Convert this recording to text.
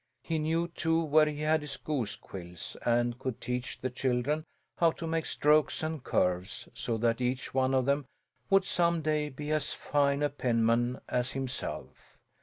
He knew, too, where he had his goose quills and could teach the children how to make strokes and curves, so that each one of them would some day be as fine a penman as himself.